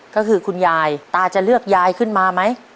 ก็คือคุณยายตาจะเลือกยายขึ้นมาไหม